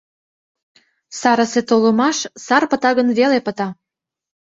Сарысе толымаш сар пыта гын веле пыта.